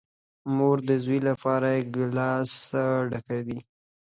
مور ده زوی لپاره گیلاس ډکوي .